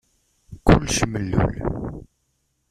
Kullec mellul.